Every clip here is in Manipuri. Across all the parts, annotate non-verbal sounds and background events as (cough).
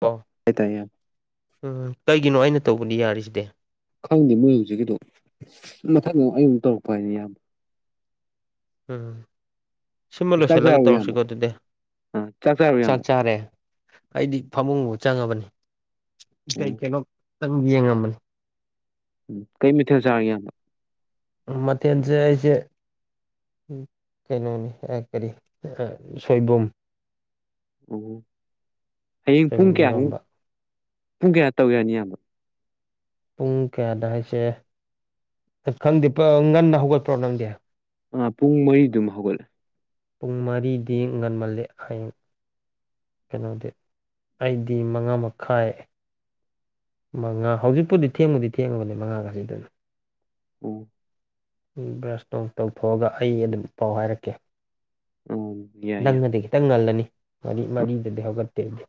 ꯀꯣ (unintelligible) ꯈꯪꯗꯦ ꯃꯣꯏ ꯍꯧꯖꯤꯛꯀꯤꯗꯣ ꯃꯊꯪꯗ ꯑꯌꯨꯛ ꯇꯧꯔꯛꯄ ꯍꯥꯏꯅꯤ ꯌꯥꯝ ꯎꯝ ꯁꯤꯃ ꯆꯥꯛ ꯂꯣꯏꯁꯤꯜꯂꯒ ꯆꯥꯔꯕꯣ ꯏꯌꯥꯝꯕ ꯇꯧꯔꯁꯤꯀꯣ ꯑꯗꯨꯗꯤ ꯑꯥ ꯆꯥꯔꯕꯣ ꯆꯥꯛ ꯏꯌꯥꯝꯕ ꯆꯥꯔꯦ ꯑꯩꯗꯤ ꯐꯃꯨꯡꯕꯨ ꯆꯪꯉꯕꯅꯤ ꯀꯩ ꯑꯣ ꯀꯩꯅꯣ ꯈꯤꯇꯪ ꯌꯦꯡꯉꯝꯕꯅꯤ ꯎꯝ ꯀꯩ ꯃꯊꯦꯜ ꯆꯥꯒꯦ ꯌꯥꯝ ꯎꯝ ꯃꯊꯦꯟꯁꯦ ꯑꯩꯁꯦ ꯀꯩꯅꯣꯅꯤ ꯀꯔꯤ ꯁꯣꯏꯕꯨꯝ ꯑꯝ ꯍꯌꯦꯡ ꯄꯨꯡ ꯁꯣꯏꯕꯨꯝ ꯀꯌꯥꯨ ꯏꯔꯣꯝꯕ ꯄꯨꯡ ꯀꯌꯥ ꯇꯧ ꯌꯥꯅꯤ ꯑꯕꯣ ꯄꯨꯡ ꯀꯌꯥꯗ ꯍꯥꯏꯁꯦ ꯈꯪꯗꯦ ꯉꯟꯅ ꯍꯧꯒꯠꯄ꯭ꯔꯣ ꯅꯪꯗꯤ ꯑꯝ ꯄꯨꯡ ꯃꯔꯤꯗꯨꯝ ꯍꯧꯒꯠꯂꯦ ꯄꯨꯡ ꯃꯔꯤꯗꯤ ꯉꯟꯃꯜꯂꯤ ꯍꯌꯦꯡ ꯀꯩꯅꯣꯗꯤ ꯑꯩꯗꯤ ꯃꯉꯥ ꯃꯈꯥꯏ ꯃꯥ ꯍꯧꯖꯤꯛꯄꯨꯗꯤ ꯊꯦꯡꯃꯨꯗꯤ ꯊꯦꯡꯡꯂꯕꯅꯤ ꯃꯉꯥꯒꯁꯤꯗꯅ ꯎꯝ ꯕ꯭ꯔꯁ ꯇꯣꯡ ꯇꯧꯊꯣꯛꯑꯒ ꯑꯩ ꯑꯗꯨꯝ ꯄꯥꯎ ꯍꯥꯏꯔꯛꯀꯦ ꯑꯣ ꯌꯥꯏ ꯏꯌꯥꯝꯕ ꯅꯪꯅꯗꯤ ꯈꯤꯇꯪ ꯉꯜꯂꯅꯤ ꯃꯔꯤ ꯃꯔꯤꯗꯗꯤ ꯍꯧꯒꯠꯇꯦ ꯑꯗꯨꯗꯤ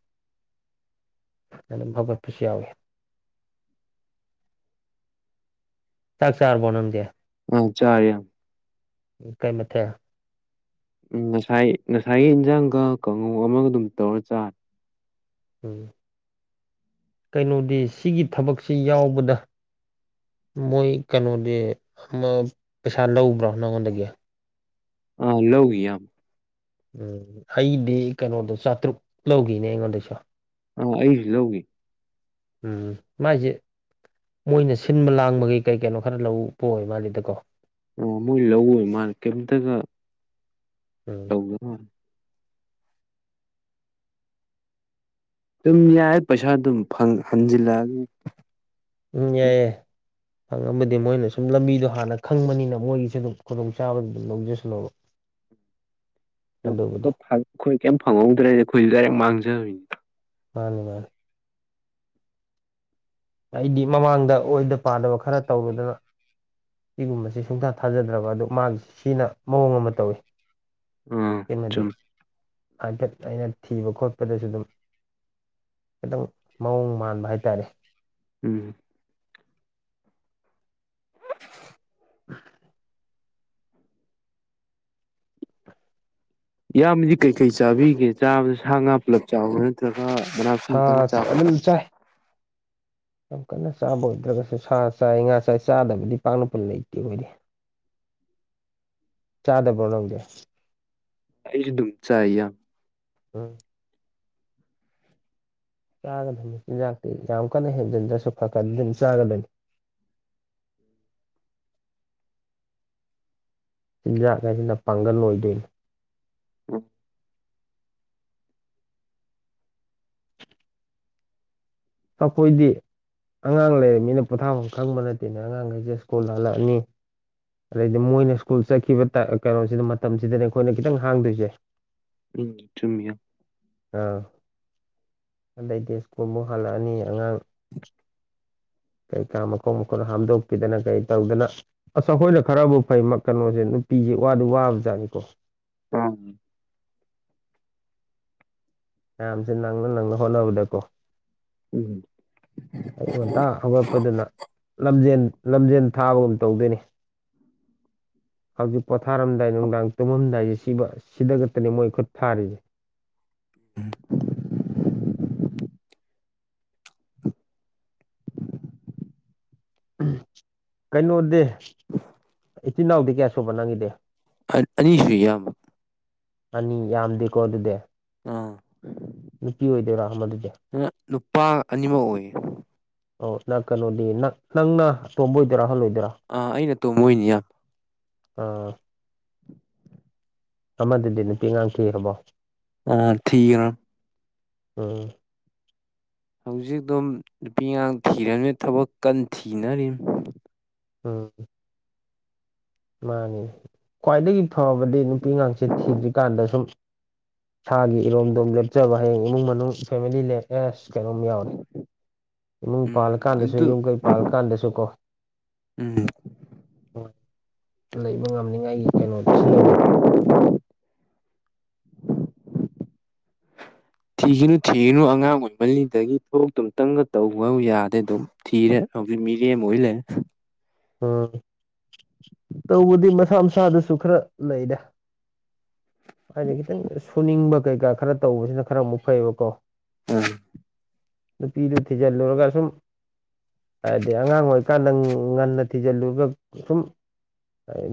(unintelligible) ꯍꯧꯒꯠꯄꯁꯨ ꯌꯥꯎꯋꯦ ꯆꯥꯛ ꯆꯥꯔꯕꯣ ꯅꯪꯗꯦ ꯍꯣꯏ ꯆꯥꯔꯦ ꯌꯥꯝ ꯎꯝ ꯀꯩ ꯃꯊꯦꯜ ꯎꯝ ꯉꯁꯥꯏ ꯉꯁꯥꯏꯒꯤ ꯏꯟꯁꯥꯡꯒ ꯀꯥꯡꯉꯨ ꯑꯃꯒ ꯑꯗꯨꯝ ꯇꯧꯔ ꯆꯥꯔ ꯎꯝ ꯀꯩꯅꯣꯗꯤ ꯁꯤꯒꯤ ꯊꯕꯛꯁꯤ ꯌꯥꯎꯕꯗ ꯃꯣꯏ ꯀꯩꯅꯣꯗꯤ ꯑꯃ ꯄꯩꯁꯥ ꯂꯧꯕ꯭ꯔꯣ ꯅꯪꯉꯣꯟꯗꯒꯤ ꯑ ꯂꯧꯒꯤ ꯏꯌꯥꯝ ꯎꯝ ꯑꯩꯗꯤ ꯀꯩꯅꯣꯗꯣ ꯆꯥꯇ꯭ꯔꯨꯛ ꯂꯧꯈꯤꯅꯦ ꯑꯩꯉꯣꯟꯗꯩꯁꯨ ꯑ ꯑꯩꯁ ꯂꯧꯒꯤ ꯎꯝ ꯃꯥꯏꯁꯦ ꯃꯣꯏꯅ ꯁꯤꯟꯕ ꯂꯥꯡꯕꯒꯤ ꯀꯩ ꯀꯩꯅꯣ ꯈꯔ ꯂꯧꯕ ꯑꯣꯏꯕ ꯃꯥꯜꯂꯤꯗꯀꯣ ꯑꯣ ꯃꯣꯏ ꯂꯧꯕꯩꯑꯣꯏꯔ ꯃꯥꯂꯦ ꯀꯩꯝꯇꯒ ꯎꯝ (unintelligible) ꯑꯗꯨꯝ ꯌꯥꯏ ꯄꯩꯁꯥ ꯑꯗꯨꯝ ꯍꯟꯖꯤꯜꯂꯛꯑ ꯎꯝ ꯌꯥꯏꯑꯦ ꯑꯗꯨ ꯑꯃꯗꯤ ꯃꯣꯏꯅ ꯁꯨꯝ ꯂꯝꯕꯤꯗꯣ ꯍꯥꯟꯅ ꯈꯪꯕꯅꯤꯅ ꯃꯣꯏꯒꯤꯁꯨ ꯑꯗꯨꯝ ꯈꯨꯗꯣꯡꯆꯥꯕꯗꯨ ꯑꯗꯨꯝ ꯂꯧꯖꯁꯨꯅꯕ (inaudible) (unintelligible) ꯑꯩꯈꯣꯏ ꯀꯩꯝ ꯐꯪꯍꯧꯗ꯭ꯔꯦꯗꯤ ꯑꯩꯈꯣꯏꯁꯨ ꯗꯥꯏꯔꯦꯛ ꯃꯥꯡꯖꯕꯤꯅꯤ ꯃꯥꯅꯤ ꯃꯥꯅꯤ ꯑꯩꯗꯤ ꯃꯃꯥꯡꯗ ꯑꯣꯏꯗ ꯄꯥꯗꯕ ꯈꯔ ꯇꯧꯔꯨꯗꯅ ꯁꯤꯒꯨꯝꯕꯁꯦ ꯁꯨꯡꯊꯥ ꯊꯥꯖꯗ꯭ꯔꯕ ꯑꯗꯨ ꯃꯥꯒꯤꯁꯤ ꯁꯤꯅ ꯃꯑꯣꯡ ꯑꯃ ꯇꯧꯏꯤ ꯑꯥ ꯀꯩꯅꯣꯗꯤ ꯆꯨꯝ ꯍꯥꯏꯐꯦꯠ ꯑꯩꯅ ꯊꯤꯕ ꯈꯣꯠꯄꯗꯁꯨ ꯑꯗꯨꯝ ꯑꯗꯨꯝ ꯃꯑꯣꯡ ꯃꯥꯟꯕ ꯍꯥꯏꯇꯥꯔꯦ ꯎꯝ (unintelligible) ꯏꯌꯥꯝꯕꯗꯤ ꯀꯩꯀꯩ ꯆꯥꯕꯤꯒꯦ ꯆꯥꯕꯗꯤ ꯁꯥ ꯉꯥ ꯄꯨꯂꯞ ꯆꯥꯕ꯭ꯔꯥ ꯅꯠꯇ꯭ꯔꯒ ꯃꯅꯥ ꯃꯁꯤꯡꯇꯪ ꯁꯥꯁꯦ ꯆꯥꯕ꯭ꯔꯥ ꯑꯗꯨꯝ ꯆꯥꯏ ꯌꯥꯝ ꯀꯟꯅ ꯆꯥꯕ ꯑꯣꯏꯗ꯭ꯔꯒꯁꯨ ꯁꯥ ꯆꯥꯏ ꯉꯥ ꯆꯥꯏ ꯆꯥꯗꯕꯗꯤ ꯄꯥꯛꯅꯕꯨ ꯂꯩꯇꯦ ꯑꯩꯈꯣꯏꯗꯤ ꯆꯥꯗꯕ꯭ꯔꯣ ꯅꯪꯗꯤ ꯑꯩꯁꯨ ꯑꯗꯨꯝ ꯆꯥꯏ ꯏꯌꯥꯝ ꯎꯝ ꯆꯥꯒꯗꯕꯅꯤ ꯆꯤꯟꯖꯥꯛꯇꯤ ꯌꯥꯝ ꯀꯟꯅ ꯍꯦꯟꯖꯤꯟꯗ꯭ꯔꯁꯨ ꯈꯔ ꯈꯔ ꯗꯤ ꯑꯗꯨꯝ ꯆꯥꯒꯗꯕꯅꯤ ꯆꯤꯟꯖꯥꯛ ꯍꯥꯏꯁꯤꯅ ꯄꯥꯡꯒꯜ ꯑꯣꯏꯗꯣꯏꯅꯤ ꯎꯝ ꯑꯩꯈꯣꯏꯗꯤ ꯑꯉꯥꯡ ꯂꯩꯔꯕꯅꯤꯅ ꯄꯣꯊꯥꯐꯝ ꯈꯪꯕ ꯅꯠꯇꯦꯗ ꯑꯉꯥꯡꯈꯩꯁꯦ ꯁ꯭ꯀꯨꯜ ꯍꯜꯂꯛꯑꯅꯤ ꯑꯗꯩꯗꯤ ꯃꯣꯏꯅ ꯁ꯭ꯀꯨꯜ ꯆꯠꯈꯤꯕ ꯀꯩꯅꯣꯁꯤꯗ ꯃꯇꯝꯁꯤꯗꯅꯦ ꯑꯩꯈꯣꯏꯅ ꯈꯤꯇꯪ ꯍꯥꯡꯗꯣꯏꯁꯦ ꯎꯝ ꯆꯨꯝꯃꯤ ꯏꯌꯥꯝ ꯑꯥ ꯑꯗꯩꯗꯤ ꯁ꯭ꯀꯨꯜꯃꯨꯛ ꯍꯜꯂꯛꯑꯅꯤ ꯑꯉꯥꯡ ꯀꯩꯀꯥ ꯃꯈꯣꯡ ꯃꯈꯨꯠ ꯍꯥꯝꯗꯣꯛꯄꯤꯗꯅ ꯀꯩ ꯇꯧꯗꯅ ꯑꯁ ꯑꯩꯈꯣꯏꯅ ꯈꯔꯕꯨ ꯐꯩ ꯀꯩꯅꯣꯁꯦ ꯅꯨꯄꯤꯁꯦ ꯋꯥꯗꯤ ꯋꯥꯕꯖꯥꯠꯅꯤꯀꯣ ꯑꯝ ꯃꯌꯥꯝꯁꯦ ꯅꯪꯅ ꯅꯪꯅ ꯍꯣꯠꯅꯕꯗꯀꯣ ꯎꯝ ꯑꯌꯨꯛ ꯉꯟꯇꯥ ꯍꯧꯒꯠꯄꯗꯨꯅ ꯂꯝꯖꯦꯟ ꯂꯝꯖꯦꯟ ꯊꯥꯕꯒꯨꯝ ꯇꯧꯗꯣꯏꯅꯤ ꯍꯧꯖꯤꯛ ꯄꯣꯊꯥꯔꯝꯗꯥꯏ ꯅꯨꯡꯗꯥꯡ ꯇꯨꯝꯃꯝꯗꯥꯏꯁꯦ ꯁꯤꯕ ꯁꯤꯗ ꯈꯛꯇꯅꯦ ꯃꯣꯏ ꯈꯨꯠ ꯊꯥꯔꯤꯁꯦ ꯀꯩꯅꯣꯗꯤ ꯏꯆꯤꯟ ꯏꯅꯥꯎꯗꯤ ꯀꯌꯥ ꯁꯨꯕ ꯅꯪꯒꯤꯗꯤ (unintelligible) ꯑꯅꯤꯁꯨꯏ ꯏꯌꯥꯝꯕ ꯑꯅꯤ ꯌꯥꯝꯗꯦꯀꯣ ꯑꯗꯨꯗꯦ ꯑꯥ ꯅꯨꯄꯤ ꯑꯣꯏꯗꯣꯏꯔꯥ ꯑꯃꯗꯨꯗꯤ ꯚꯥ ꯅꯨꯄꯥ ꯑꯅꯤꯃꯛ ꯑꯣꯏꯌꯦ ꯑꯣ ꯅꯪ ꯀꯩꯅꯣꯗꯤ ꯅꯪ ꯅꯪꯅ ꯑꯇꯣꯝꯕ ꯑꯣꯏꯗꯣꯏꯔꯥ ꯑꯍꯜ ꯑꯣꯏꯗꯣꯏꯔꯥ ꯑꯥ ꯑꯩꯅ ꯑꯇꯣꯝꯕ ꯑꯣꯏꯅꯤ ꯏꯌꯥꯝꯕ ꯑꯥ ꯑꯃꯗꯨꯗꯤ ꯅꯨꯄꯤ ꯑꯉꯥꯡ ꯊꯤꯔꯕꯣ ꯑꯥ ꯊꯤꯌꯣ ꯎꯝ ꯍꯧꯖꯤꯛ ꯑꯗꯨꯝ ꯅꯨꯄꯤ ꯉꯥꯡ ꯊꯤꯔꯕꯅꯤꯅ ꯊꯕꯛ ꯀꯟꯅ ꯊꯤꯅꯔꯤ ꯎꯝ ꯃꯥꯅꯤ ꯈ꯭ꯋꯥꯏꯗꯒꯤ ꯐꯕꯗꯤ ꯅꯨꯄꯤ ꯉꯥꯛꯁꯦ ꯊꯤꯗ꯭ꯔꯤꯀꯥꯟꯗ ꯁꯨꯝ ꯏꯁꯥꯒꯤ ꯏꯔꯣꯝꯗꯣꯝ ꯂꯦꯞꯆꯕ ꯍꯌꯦꯡ ꯏꯃꯨꯡ ꯃꯅꯨꯡ ꯐꯦꯃꯤꯂꯤ ꯂꯦꯛ ꯑꯦꯁ ꯀꯩꯅꯣꯝ ꯌꯥꯎꯔꯦ ꯏꯃꯨꯡ ꯎꯝ ꯄꯥꯜꯂꯀꯥꯟꯗꯁꯨ ꯑꯗꯨ ꯌꯨꯝ ꯀꯩ ꯄꯥꯜꯂꯀꯥꯟꯗꯁꯨ ꯀꯣ ꯎꯝ ꯂꯩꯕ ꯉꯝꯅꯤꯉꯥꯏꯒꯤ ꯀꯩꯅꯣꯗꯨꯁꯨ ꯁꯤꯟꯂꯧꯒꯗꯧꯅꯤ (unintelligible) ꯊꯤꯒꯅꯨ ꯊꯤꯒꯅꯨ ꯑꯉꯥꯡ ꯑꯣꯏ ꯃꯜꯂꯤ ꯑꯗꯨꯒ ꯊꯕꯛꯇꯣ ꯑꯃꯇꯪꯒ ꯇꯧꯒꯣ ꯌꯥꯗꯦ ꯑꯗꯨꯝ ꯊꯤꯔꯦ ꯃꯤꯔꯦꯝ ꯑꯣꯢ ꯂꯩꯔꯦ ꯎꯝ ꯇꯧꯕꯗꯤ ꯃꯁꯥ ꯃꯁꯥꯗꯁꯨ ꯈꯔ ꯂꯩꯗ ꯍꯥꯏꯗꯤ ꯈꯤꯇꯪ ꯁꯨꯅꯤꯡꯕ ꯀꯩꯀꯥ ꯈꯔ ꯇꯧꯕꯁꯤꯅ ꯈꯔ ꯑꯃꯨꯛ ꯐꯩꯌꯦꯕꯀꯣ ꯎꯝ ꯅꯨꯄꯤꯗꯨ ꯊꯤꯖꯤꯜꯂꯨꯔꯒ ꯁꯨꯝ ꯍꯥꯏꯗꯤ ꯑꯉꯥꯡ ꯑꯣꯏꯔꯤꯀꯥꯟꯗ ꯉꯟꯅ ꯊꯤꯖꯤꯜꯂꯨꯔꯒ ꯁꯨꯝ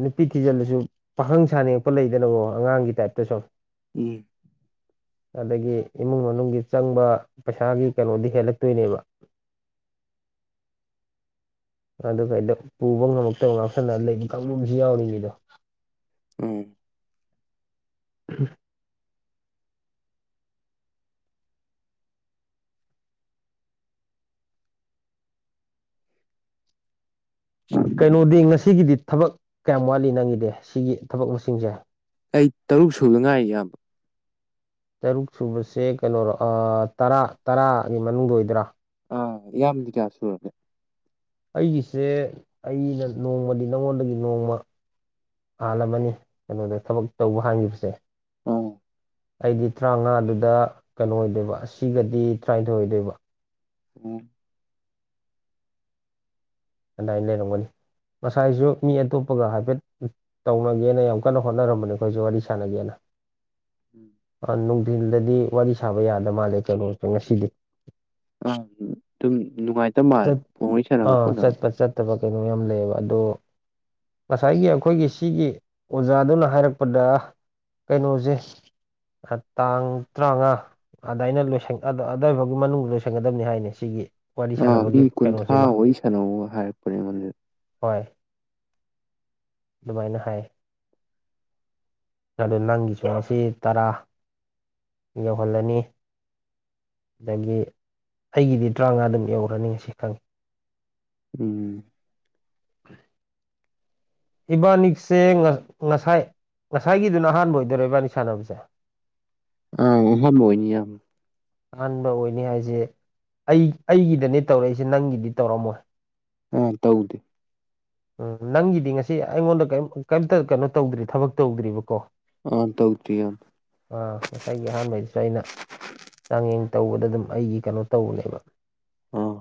ꯅꯨꯄꯤ ꯊꯤꯖꯜꯂꯁꯨ ꯄꯥꯈꯪ ꯁꯥꯅꯤꯡꯉꯛꯄ ꯂꯩꯗꯅꯕꯣ ꯑꯉꯥꯡꯒꯤ ꯇꯥꯏꯞꯇꯁꯨ ꯎꯝ (unintelligible) ꯑꯗꯒꯤ ꯏꯃꯨꯡ ꯃꯅꯨꯡꯒꯤ ꯆꯪꯕ ꯄꯩꯁꯥꯒꯤ ꯀꯩꯅꯣꯗꯤ ꯍꯦꯜꯂꯛꯇꯣꯏꯅꯦꯕ ꯑꯗꯨꯀ ꯑꯩꯗꯣ ꯄꯨꯕ ꯉꯝꯃꯛꯇꯕ ꯉꯥꯎꯁꯤꯟꯅꯔꯒ ꯂꯩꯕ ꯀꯥꯡꯂꯨꯞꯁꯨ ꯌꯥꯎꯔꯤꯅꯤꯗꯣ ꯎꯝ ꯎꯝ (inaudible) ꯀꯩꯅꯣꯗꯤ ꯉꯁꯤꯒꯤꯗꯤ ꯊꯕꯛ ꯀꯌꯥꯝ ꯋꯥꯠꯂꯤ ꯅꯪꯒꯤꯗꯤ ꯁꯤꯒꯤ ꯊꯕꯛ ꯃꯁꯤꯡꯁꯦ ꯑꯩ ꯇꯔꯨꯛ ꯁꯨꯕꯗ ꯉꯥꯏꯔꯤ ꯌꯥꯝ ꯇꯔꯨꯛ ꯁꯨꯕꯁꯦ ꯀꯩꯅꯣꯔꯣ ꯇꯔꯥ ꯇꯔꯥꯒꯤ ꯃꯅꯨꯡꯗ ꯑꯣꯏꯗꯨꯢꯔꯥ ꯑꯥ ꯢꯌꯥꯝꯕꯗꯤ ꯀꯌꯥ ꯁꯨꯔꯒꯦ ꯑꯩꯒꯤꯁꯦ ꯑꯩꯅ ꯅꯣꯡꯃꯗꯤ ꯅꯉꯣꯟꯗꯒꯤ ꯅꯣꯡꯃ ꯍꯥꯜꯂꯝꯃꯅꯤ ꯀꯩꯅꯣꯗ ꯊꯕꯛ ꯇꯧꯕ ꯍꯥꯡꯈꯤꯕꯁꯦ ꯑꯥ ꯑꯣ ꯑꯩꯗꯤ ꯇꯔꯥꯃꯉꯥꯗꯨꯗ ꯀꯩꯅꯣ ꯑꯣꯏꯗꯣꯏꯕ ꯁꯤꯒꯗꯤ ꯇꯔꯥꯅꯤꯊꯣꯏ ꯑꯣꯏꯗꯣꯏꯕ ꯑꯝ ꯑꯗꯨꯃꯏꯅ ꯂꯩꯔꯝꯒꯅꯤ ꯉꯁꯥꯏꯁꯨ ꯃꯤ ꯑꯇꯣꯞꯄꯒ ꯍꯥꯏꯐꯦꯠ ꯇꯧꯔꯒꯦꯅ ꯌꯥꯝ ꯀꯟꯅ ꯍꯣꯠꯅꯔꯝꯕꯅꯦ ꯑꯩꯈꯣꯏꯁꯨ ꯋꯥꯔꯤ ꯁꯥꯟꯅꯒꯦꯅ ꯎꯝ ꯅꯨꯡꯊꯤꯜꯗꯗꯤ ꯋꯥꯔꯤ ꯁꯥꯕ ꯌꯥꯗ ꯃꯥꯜꯂꯦ ꯀꯩꯅꯣꯁꯦ ꯉꯁꯤꯗꯤ ꯑ ꯑꯗꯨꯝ ꯅꯨꯡꯉꯥꯏꯇꯕ ꯃꯥꯜꯂꯦ ꯐꯣꯟ ꯋꯥꯔꯤ ꯁꯥꯟꯅꯕ ꯈꯣꯠꯅꯕ ꯐꯠꯇꯕ ꯀꯩꯅꯣ ꯌꯥꯝ ꯂꯩꯌꯦꯕ ꯑꯗꯣ ꯉꯁꯥꯏꯒꯤ ꯑꯩꯈꯣꯏꯒꯤ ꯁꯤꯒꯤ ꯑꯣꯖꯥꯗꯨꯅ ꯍꯥꯏꯔꯛꯄꯗ ꯀꯩꯅꯣꯁꯦ ꯇꯥꯡ ꯇꯔꯥꯃꯉꯥ ꯑꯗꯨꯗꯥꯏꯅ ꯑꯗꯥꯏꯐꯥꯎꯒꯤ ꯃꯅꯨꯡꯗ ꯂꯣꯏꯁꯟꯒꯗꯕꯅꯤ ꯍꯥꯏꯅꯦ ꯁꯤꯒꯤ ꯋꯥꯔꯤ ꯑ ꯃꯤ ꯁꯥꯟꯅꯕꯒꯤ ꯀꯨꯟꯊ꯭ꯔꯥ ꯀꯩꯅꯣꯁꯤꯃ ꯋꯥꯔꯤ ꯁꯅꯧ ꯍꯥꯏꯔꯛꯄꯅꯦ ꯑꯩꯉꯣꯟꯗ ꯍꯣꯏ ꯑꯗꯨꯃꯥꯏꯅ ꯍꯥꯏ ꯑꯗꯣ ꯅꯪꯒꯤꯁꯦ ꯇꯔꯥ ꯌꯧꯍꯜꯂꯅꯤ ꯑꯗꯒꯤ ꯑꯩꯒꯤꯗꯤ ꯇꯔꯥꯃꯉꯥ ꯑꯗꯨꯝ ꯌꯧꯔꯦ ꯂꯅꯤꯡꯁꯤꯪ (inaudible) ꯎꯝ ꯎ (inaudible) ꯏꯕꯥꯅꯤꯁꯦ ꯉꯁꯥꯏ ꯉꯁꯥꯏꯒꯤꯗꯨꯅ ꯑꯍꯥꯟꯕ ꯑꯣꯏꯗꯣꯏꯔꯣ ꯏꯕꯥꯅꯤ ꯁꯥꯟꯅꯕꯁꯦ ꯑꯪ ꯎ ꯍꯥꯟꯕꯅꯤ ꯌꯥꯝ ꯑꯍꯥꯟꯕ ꯑꯣꯏꯅꯤ ꯍꯥꯏꯁꯦ ꯑꯩ ꯑꯩꯒꯤꯗꯅꯦ ꯇꯧꯔꯛꯏꯁꯦ ꯅꯪꯒꯤꯗꯤ ꯇꯧꯔꯝꯃꯣꯏ ꯑ ꯇꯧꯗꯦ (inaudible) ꯎꯝ ꯅꯪꯒꯤꯗꯤ ꯉꯁꯤ ꯑꯩꯉꯣꯟꯗ ꯀꯩꯝꯇ ꯀꯩꯅꯣ ꯇꯧꯗ꯭ꯔꯤ ꯊꯕꯛ ꯇꯧꯗ꯭ꯔꯤꯕꯀꯣ ꯑ ꯇꯧꯇ ꯌꯥꯝ ꯑꯥ ꯉꯁꯥꯏꯒꯤ ꯑꯍꯥꯟꯕꯩꯗꯁꯨ ꯑꯩꯅ ꯆꯥꯡꯌꯦꯡ ꯇꯧꯕꯗ ꯑꯗꯨꯝ ꯑꯩꯒꯤ ꯀꯩꯅꯣ ꯇꯧꯕꯅꯦꯕ ꯑꯥ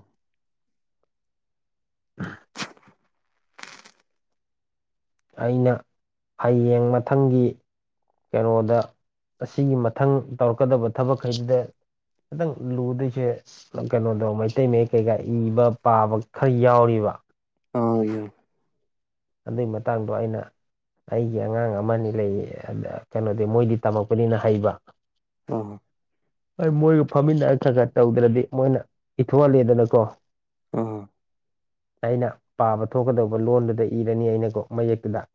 ꯑꯩꯅ ꯍꯌꯦꯡ ꯃꯊꯪꯒꯤ ꯀꯩꯅꯣꯗ ꯑꯁꯤꯒꯤ ꯃꯊꯪ ꯇꯧꯔꯛꯀꯗꯕ ꯊꯕꯛꯈꯩꯗꯨꯗ ꯍꯈꯤꯇꯪ ꯂꯨꯗꯣꯏꯁꯦ ꯀꯩꯅꯣꯗꯣ ꯃꯩꯇꯩ ꯃꯌꯦꯛ ꯀꯩꯀꯥ ꯏꯕ ꯄꯥꯕ ꯈꯔ ꯌꯥꯎꯔꯤꯕ ꯑ ꯌꯥ ꯑꯗꯨꯏ ꯃꯇꯥꯡꯗꯣ ꯑꯩꯅ ꯑꯩꯒꯤ ꯑꯉꯥꯡ ꯑꯃꯅꯤ ꯂꯩ ꯀꯩꯅꯣꯗꯤ ꯃꯣꯏꯗꯤ ꯇꯝꯃꯛꯄꯅꯤꯅ ꯍꯩꯕ ꯑ ꯑꯩ ꯃꯣꯏꯒ ꯐꯝꯃꯤꯟꯅꯔ ꯈꯔ ꯈꯔ ꯇꯧꯗ꯭ꯔꯗꯤ ꯃꯣꯏꯅ ꯏꯊꯣꯛꯍꯂꯦꯗꯅꯀꯣ ꯑꯥ ꯑꯩꯅ ꯄꯥꯕ ꯊꯣꯛꯀꯗꯧꯕ ꯂꯣꯟꯗꯨꯗ ꯏꯔꯅꯤ ꯑꯩꯅꯀꯣ ꯃꯌꯦꯛꯇꯨꯗ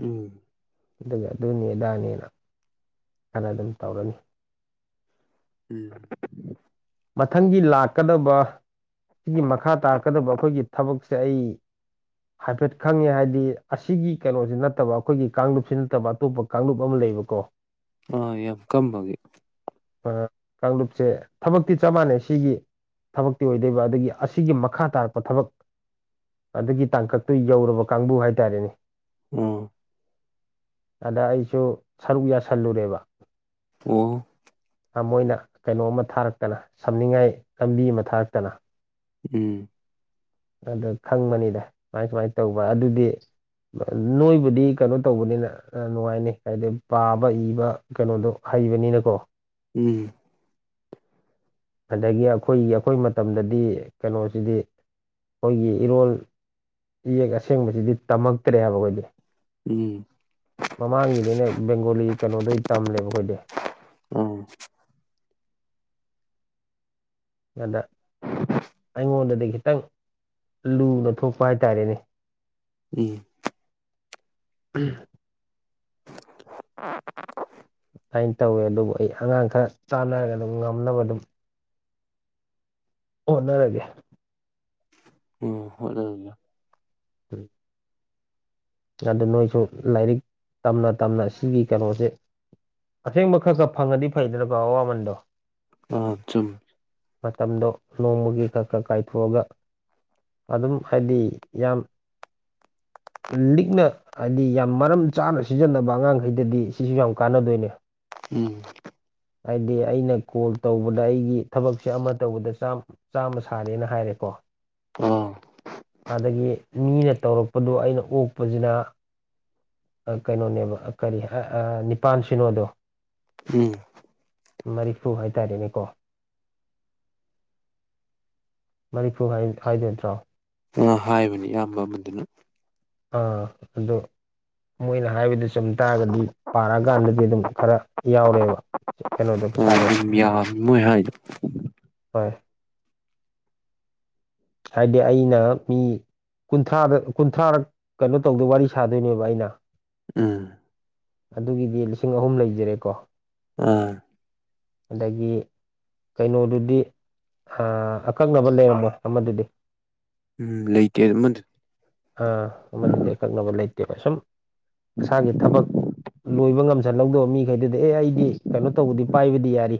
ꯎꯝ ꯑꯗꯨꯒ ꯑꯗꯨꯅꯤ ꯑꯗꯥꯅꯦꯅ ꯈꯔ ꯑꯗꯨꯝ ꯇꯧꯔꯅꯤ ꯎꯝ ꯃꯊꯪꯒꯤ ꯂꯥꯛꯀꯗꯕ ꯁꯤꯒꯤ ꯃꯈꯥ ꯇꯥꯔꯛꯀꯗꯕ ꯑꯩꯈꯣꯏꯒꯤ ꯊꯕꯛꯁꯦ ꯑꯩ ꯍꯥꯏꯐꯦꯠ ꯈꯪꯉꯦ ꯍꯥꯏꯗꯤ ꯑꯁꯤꯒꯤ ꯀꯩꯅꯣꯁꯤ ꯅꯠꯇꯕ ꯑꯩꯈꯣꯏꯒꯤ ꯀꯥꯡꯂꯨꯞꯁꯤ ꯅꯠꯇꯕ ꯑꯇꯣꯞꯄ ꯀꯥꯡꯂꯨꯞ ꯑꯃ ꯂꯩꯕꯀꯣ (inaudible) ꯑꯥ ꯌꯥꯝ ꯀꯝꯕꯒꯤ ꯀꯥꯡꯂꯨꯞꯁꯦ ꯊꯕꯛ ꯐꯛꯇꯤ ꯆꯞ ꯃꯥꯟꯅꯩ ꯁꯤꯒꯤ ꯊꯕꯛꯇꯤ ꯑꯣꯏꯗꯣꯏꯕ ꯑꯗꯒꯤ ꯑꯁꯤꯒꯤ ꯃꯈꯥ ꯇꯥꯔꯛꯄ ꯊꯕꯛ ꯑꯗꯨꯒꯤ ꯇꯥꯡꯀꯛꯇꯨ ꯌꯧꯔꯕ ꯀꯥꯡꯕꯨ ꯍꯥꯏꯇꯥꯔꯦꯅꯦ ꯎꯝ ꯑꯗ ꯑꯩꯁꯨ ꯁꯔꯨꯛ ꯌꯥꯁꯜꯂꯨꯔꯦꯕ ꯑꯣ ꯊꯃꯣꯏꯅ ꯀꯩꯅꯣꯝꯃ ꯊꯥꯔꯛꯇꯅ ꯁꯝꯅꯤꯡꯉꯥꯏ ꯂꯝꯕꯤ ꯑꯃ ꯊꯥꯔꯛꯇꯅ ꯎꯝ ꯑꯗꯨ ꯈꯪꯕꯅꯤꯗ ꯁꯨꯃꯥꯏ ꯁꯨꯃꯥꯏꯅ ꯇꯧꯕ ꯑꯗꯨꯗꯤ ꯅꯣꯏꯕꯨꯗꯤ ꯀꯩꯅꯣ ꯇꯧꯕꯅꯤꯅ ꯅꯨꯡꯉꯥꯏꯅꯤ ꯍꯥꯏꯗꯤ ꯄꯥꯕ ꯏꯕ ꯀꯩꯅꯣꯗꯣ ꯍꯩꯕꯅꯤꯅꯀꯣ ꯎꯝ ꯑꯗꯒꯤ ꯑꯩꯈꯣꯏꯒꯤ ꯑꯩꯈꯣꯏ ꯃꯇꯝꯗꯗꯤ ꯀꯩꯅꯣꯁꯤꯗꯤ ꯑꯩꯈꯣꯏꯒꯤ ꯏꯔꯣꯜ ꯏꯌꯦꯛ ꯑꯁꯦꯡꯕꯁꯤꯗꯤ ꯇꯝꯃꯛꯇ꯭ꯔꯦꯕ ꯑꯩꯈꯣꯏꯗꯤ ꯎꯝ ꯃꯃꯥꯡꯒꯤꯅꯤꯅ ꯕꯦꯡꯒꯣꯂꯤ ꯀꯩꯅꯣꯗꯣ ꯇꯝꯂꯦꯕ ꯑꯩꯈꯣꯏꯗꯤ ꯑꯥ ꯑꯗ ꯑꯩꯉꯣꯟꯗꯗꯤ ꯈꯤꯇꯪ ꯂꯨꯅ ꯊꯣꯛꯄ ꯍꯥꯏꯇꯥꯔꯦꯅꯦ ꯎꯝ ꯎꯝ ꯑꯗꯨꯃꯥꯏꯅ ꯇꯧꯋꯦ ꯑꯗꯨꯕꯨ ꯑꯩ ꯑꯉꯥꯡ ꯈꯔ ꯆꯥꯟꯅꯔꯒ ꯑꯗꯨꯝ ꯉꯝꯅꯕ ꯑꯗꯨꯝ ꯍꯣꯠꯅꯔꯒꯦ ꯑꯣ ꯍꯣꯠꯅꯔꯒ ꯎꯨꯝ ꯑꯗꯨ ꯃꯣꯏꯁꯨ ꯂꯥꯏꯔꯤꯛ ꯇꯝꯅ ꯇꯝꯅ ꯁꯤꯒꯤ ꯀꯩꯅꯣꯁꯦ ꯑꯁꯦꯡꯕ ꯈꯔ ꯈꯔ ꯐꯪꯉꯗꯤ ꯐꯩꯗꯅꯀꯣ ꯑꯋꯥꯃꯟꯗꯣ ꯑ ꯆꯨꯝ ꯃꯇꯝꯗꯣ ꯅꯣꯡꯃꯨꯒꯤ ꯀꯛ ꯀꯛ ꯀꯥꯏ ꯊꯣꯛꯑꯒ ꯑꯗꯨꯝ ꯍꯥꯏꯗꯤ ꯌꯥꯝ ꯂꯤꯛꯅ ꯍꯥꯏꯗꯤ ꯌꯥꯝ ꯃꯔꯝ ꯆꯥꯅ ꯁꯤꯖꯤꯟꯅꯕ ꯑꯉꯥꯡꯈꯩꯗꯗꯤ ꯁꯤꯁꯨ ꯌꯥꯝ ꯀꯥꯟꯅꯗꯣꯏꯅꯦ ꯎꯨꯝ ꯍꯥꯏꯗꯤ ꯑꯩꯅ ꯀꯣꯜ ꯇꯧꯕꯗ ꯑꯩꯒꯤ ꯊꯕꯛꯁꯦ ꯑꯃ ꯇꯧꯕꯗ ꯆꯥꯝ ꯆꯥꯝꯃ ꯁꯥꯔꯦꯅ ꯍꯥꯏꯔꯦꯀꯣ ꯑꯣ ꯑꯗꯒꯤ ꯃꯤꯅ ꯇꯧꯔꯛꯄꯗꯨ ꯑꯩꯅ ꯑꯣꯛꯄꯁꯤꯅ ꯀꯩꯅꯣꯅꯦꯕ ꯀꯔꯤ ꯅꯤꯄꯥꯟ ꯁꯤꯅꯣꯗꯣ ꯎꯝ ꯃꯔꯤꯐꯨ ꯍꯥꯏꯇꯥꯔꯦꯅꯦꯀꯣ ꯃꯅꯤꯄꯨꯔ ꯍꯥꯏꯗꯣꯏ ꯅꯠꯇ꯭ꯔꯣ ꯑ ꯍꯥꯏꯕꯅꯤ ꯑꯌꯥꯝꯕ ꯑꯃꯗꯨꯅ ꯑꯥ ꯑꯗꯣ ꯃꯣꯏꯅ ꯍꯥꯏꯕꯗꯨꯁꯨ ꯆꯨꯝ ꯇꯥꯔꯒꯗꯤ ꯄꯥꯔꯛꯑꯀꯥꯟꯗꯗꯤ ꯑꯗꯨꯝ ꯈꯔ ꯌꯥꯎꯔꯦꯕ ꯀꯩꯅꯣꯗꯣ ꯄꯩꯁꯥꯗꯣ ꯃꯤꯌꯥꯝ ꯃꯣꯏ ꯍꯥꯏ ꯍꯣꯏ ꯍꯥꯏꯗꯤ ꯑꯩꯅ ꯃꯤ ꯀꯨꯟꯊ꯭ꯔꯥꯗ ꯀꯨꯟꯊ꯭ꯔꯥꯔꯛ ꯀꯩꯅꯣ ꯇꯧꯗꯣꯏ ꯋꯥꯔꯤ ꯁꯥꯗꯣꯏꯅꯦꯕ ꯑꯩꯅ ꯎꯨꯝ ꯑꯗꯨꯒꯤꯗꯤ ꯂꯤꯁꯤꯡ ꯑꯍꯨꯝ ꯂꯩꯖꯔꯦꯀꯣ ꯑꯥ ꯑꯗꯒꯤ ꯀꯩꯅꯣꯗꯨꯗꯤ ꯑꯥ ꯑꯀꯛꯅꯕ ꯂꯩꯔꯝꯃꯣꯏ ꯑꯃꯗꯨꯗꯤ ꯎꯝ ꯂꯩꯇꯦ ꯑꯃꯗꯨ ꯑꯥ ꯑꯃꯗꯤꯗꯨꯗꯤ ꯑꯀꯛꯅꯕ ꯂꯩꯇꯦꯕ ꯁꯨꯝ ꯃꯁꯥꯒꯤ ꯊꯕꯛ- ꯂꯣꯏꯕ ꯉꯝꯁꯜꯍꯧꯗꯧꯕ ꯃꯤꯈꯩꯗꯨꯗꯤ ꯑꯦ ꯑꯩꯗꯤ ꯀꯩꯅꯣ ꯇꯧꯕꯗꯤ ꯄꯥꯏꯕꯗꯤ ꯌꯥꯔꯤ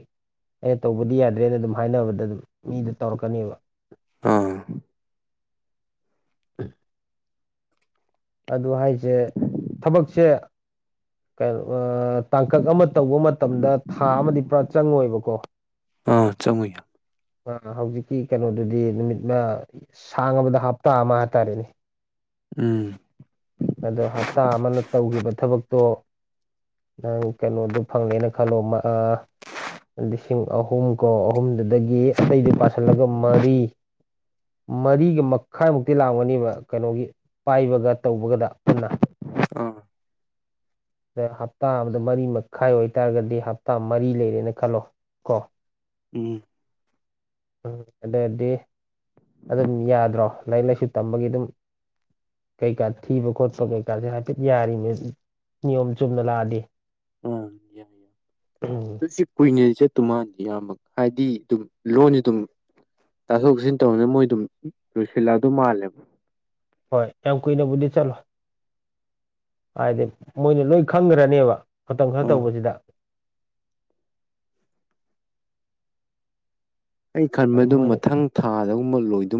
ꯑꯩꯅ ꯇꯧꯕꯗꯤ ꯌꯥꯗ꯭ꯔꯦꯅ ꯑꯗꯨꯝ ꯍꯥꯏꯅꯕꯗ ꯑꯗꯨꯝ ꯃꯤꯗꯣ ꯇꯧꯔꯛꯀꯅꯦꯕ ꯑꯥ ꯎꯝ ꯑꯗꯨ ꯍꯥꯏꯁꯦ ꯊꯕꯛꯁꯦ ꯀꯩꯅꯣ ꯇꯥꯡꯀꯛ ꯑꯃ ꯇꯧꯕ ꯃꯇꯝꯗ ꯊꯥ ꯑꯃꯗꯤ ꯄꯨꯔꯥ ꯆꯪꯉꯣꯏꯕꯀꯣ ꯑꯥ ꯆꯪꯉꯨꯏ ꯌꯥ ꯑ ꯍꯧꯖꯤꯛꯀꯤ ꯀꯩꯅꯣꯗꯨꯗꯤ ꯅꯨꯃꯤꯠꯅ ꯁꯥꯡꯉꯕꯗ ꯍꯞꯇꯥ ꯑꯃ ꯍꯥꯏꯇꯥꯔꯦꯅꯦ ꯎꯨꯝ ꯑꯗꯣ ꯍꯞꯇꯥ ꯑꯃꯅ ꯇꯧꯈꯤꯕ ꯊꯕꯛꯇꯣ ꯅꯪ ꯀꯩꯅꯣꯗꯨꯣ ꯐꯪꯉꯦꯅ ꯈꯜꯂꯣ ꯑꯥ ꯂꯤꯁꯤꯡ ꯑꯍꯨꯝ ꯀꯣ ꯑꯍꯨꯝꯗꯨꯗꯒꯤ ꯑꯇꯩꯗꯨ ꯄꯁꯤꯜꯂꯒ ꯃꯔꯤ ꯃꯔꯤꯒ ꯃꯈꯥꯏꯃꯨꯛꯇꯤ ꯂꯥꯡꯒꯅꯤꯕ ꯀꯩꯅꯣꯒꯤ ꯄꯥꯏꯕꯒ ꯇꯧꯕꯒꯗ ꯄꯨꯟꯅ ꯑꯥ ꯑ ꯍꯞꯇꯥ ꯑꯃꯗ ꯃꯔꯤ ꯃꯈꯥꯏ ꯑꯣꯏꯇꯥꯔꯒꯗꯤ ꯍꯞꯇꯥ ꯃꯔꯤ ꯂꯩꯔꯦꯅ ꯈꯜꯂꯣ ꯀꯣ ꯎꯝ ꯎꯝ ꯑꯗꯨꯗꯗꯤ ꯑꯗꯨꯝ ꯌꯥꯗ꯭ꯔꯣ ꯂꯥꯏꯔꯤꯛ ꯂꯥꯏꯁꯨ ꯇꯝꯕꯒꯤ ꯑꯗꯨꯝ ꯀꯩꯀꯥ ꯊꯤꯕ ꯈꯣꯠꯄ ꯀꯩꯀꯥꯁꯦ ꯍꯥꯏꯐꯦꯠ ꯌꯥꯔꯤꯅꯦ ꯅꯤꯌꯣꯝ ꯆꯨꯝꯅ ꯂꯥꯛꯑꯗꯤ ꯑꯥ ꯌꯥꯏ ꯌꯥꯏ ꯎꯝ ꯑꯗꯨ ꯁꯤ ꯀꯨꯏꯅꯗꯤ ꯆꯠꯇꯨ ꯃꯥꯟꯗꯦ ꯑꯃꯛ ꯍꯥꯏꯗꯤ ꯑꯗꯨꯝ ꯂꯣꯟꯁꯤ ꯑꯗꯨꯝ ꯇꯥꯊꯣꯛ ꯇꯥꯁꯤꯟ ꯇꯧꯅ ꯃꯣꯏ ꯑꯗꯨꯝ ꯂꯣꯏꯁꯤꯜꯂꯛꯑꯗ ꯃꯥꯜꯂꯦꯕ ꯍꯣꯏ ꯌꯥꯝ ꯀꯨꯏꯅꯕꯨꯗꯤ ꯆꯠꯂꯣꯏ ꯍꯥꯏꯗꯤ ꯃꯣꯏꯅ ꯂꯣꯏ ꯈꯪꯈ꯭ꯔꯅꯦꯕ ꯃꯇꯝ ꯈꯔ ꯑꯥ ꯇꯧꯕꯁꯤꯗ ꯑꯩ ꯑꯗꯨ ꯈꯟꯕꯗꯨ ꯃꯣꯏꯅ ꯃꯊꯪ ꯊꯥꯗꯒꯨꯝꯕ ꯂꯣꯏꯗ